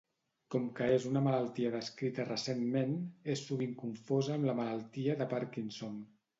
Com que és una malaltia descrita recentment, és sovint confosa amb la malaltia de Parkinson.